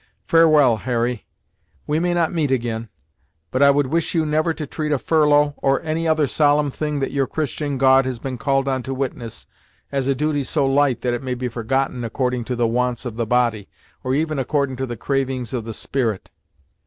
Farewell, Harry; we may not meet ag'in, but I would wish you never to treat a furlough, or any other solemn thing that your Christian God has been called on to witness, as a duty so light that it may be forgotten according to the wants of the body, or even accordin' to the cravings of the spirit."